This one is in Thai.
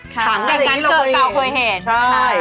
ถังอันนี้เราเคยเห็น